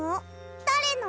だれの？